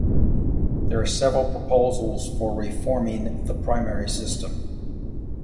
There are several proposals for reforming the primary system.